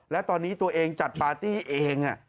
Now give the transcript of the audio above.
และตอนนี้ตัวเองจัดปาร์ตี้เอง